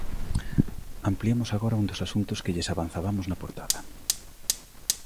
Ampliamos agora un dos asuntos que lles avanzabamos na portada.